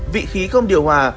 vị khí không điều hòa